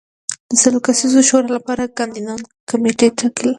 د سل کسیزې شورا لپاره کاندیدان کمېټې ټاکل